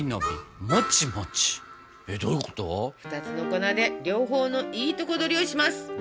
２つの粉で両方のいいとこ取りをします！